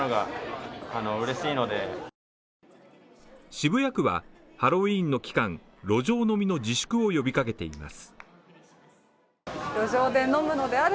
渋谷区は、ハロウィーンの期間、路上飲みの自粛を呼びかけています。